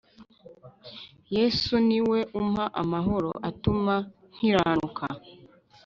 Yesu niwe umpa amahoro atuma nkiranuka